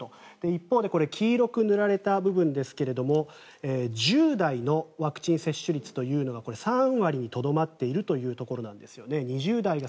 一方で黄色く塗られた部分ですが１０代のワクチン接種率というのが３割にとどまっているというところなんですね。